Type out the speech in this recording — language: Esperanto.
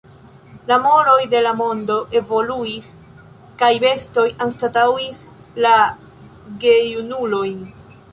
La moroj de la mondo evoluis, kaj bestoj anstataŭis la gejunulojn.